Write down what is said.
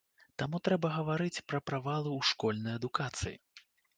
Таму трэба гаварыць пра правалы ў школьнай адукацыі.